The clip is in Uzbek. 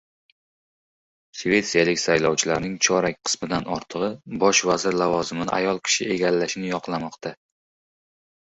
Shvetsiyalik saylovchilarning chorak qismidan ortiqrog‘i bosh vazir lavozimini ayol kishi egallashini yoqlamoqda